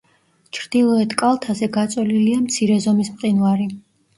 ჩრდილოეთ კალთაზე გაწოლილია მცირე ზომის მყინვარი.